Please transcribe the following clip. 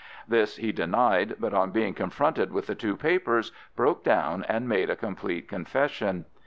This he denied, but on being confronted with the two papers, broke down and made a complete confession.